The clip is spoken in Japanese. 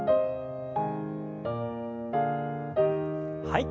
はい。